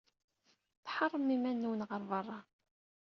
Tḥeṛṛemt iman-nwent ɣer beṛṛa.